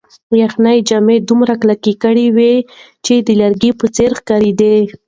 یخنۍ جامې دومره کلکې کړې وې چې د لرګي په څېر ښکارېدې.